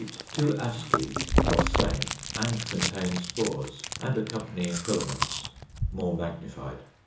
Two asci of same, and contained spores, and accompanying filaments; more magnified.